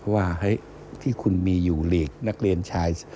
ว่าที่คุณมีอยู่ลีกนักเลนชาย